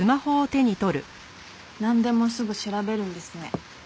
なんでもすぐ調べるんですね。